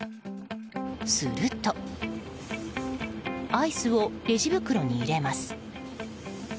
するとアイスをレジ袋に入れます。